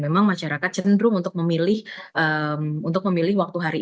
memang masyarakat cenderung untuk memilih untuk memilih waktunya untuk memilih waktu waktu yang